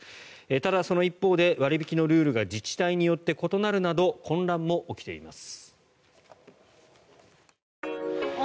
ただその一方で割引のルールが自治体によって異なるなど混乱も起きています。